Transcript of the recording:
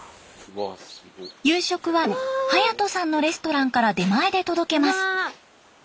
夕食は勇人さんのレストランから出前で届けます。